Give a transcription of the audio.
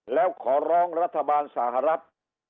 แล้วขอร้องรัฐบาลสหรัฐ